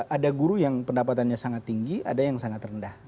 ada guru yang pendapatannya sangat tinggi ada yang sangat rendah